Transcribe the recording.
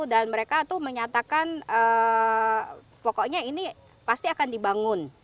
dan mereka menyatakan pokoknya ini pasti akan dibangun